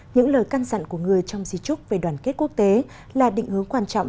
những lời căn dặn của người trong di trúc về đoàn kết quốc tế là định hướng quan trọng